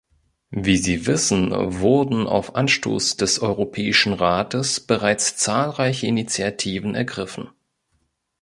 Wie Sie wissen, wurden auf Anstoß des Europäischen Rates bereits zahlreiche Initiativen ergriffen.